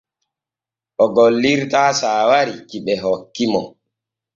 O gollirtaa saawari ki ɓe hokki mo.